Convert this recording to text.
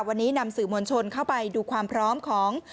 วันนี้นำสื่อมวลชนเข้าไปดูความพร้อมของ